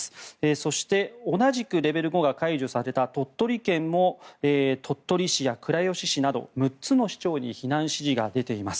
そして同じくレベル５が解除された鳥取県も鳥取市や倉吉市など６つの市町に避難指示が出ています。